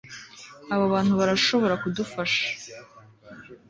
Abo bantu barashobora kudufasha